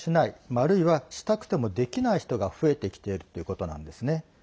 あるいはしたくてもできない人が増えてきているということなんです。